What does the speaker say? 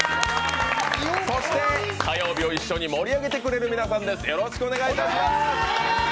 火曜日を一緒に盛り上げてくれる皆さんです。